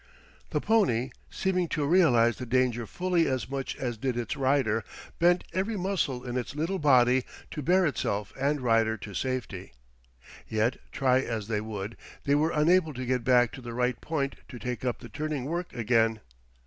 The pony, seeming to realize the danger fully as much as did its rider, bent every muscle in its little body to bear itself and rider to safety. Yet try as they would, they were unable to get back to the right point to take up the turning work again.